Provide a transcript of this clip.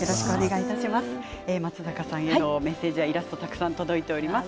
松坂さんへのメッセージやイラストたくさん届いております。